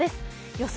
予想